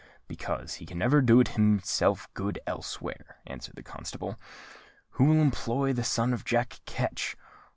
"Because he can never do himself good elsewhere," answered the constable. "Who will employ the son of Jack Ketch?